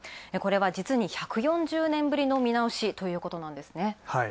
これは実に１４０年ぶりの見直しということなんですね。